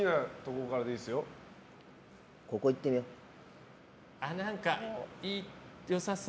ここ、いってみよう。